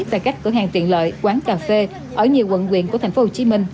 tại các cửa hàng tiện lợi quán cà phê ở nhiều quận quyện của tp hcm